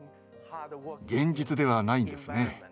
現実ではないんですね。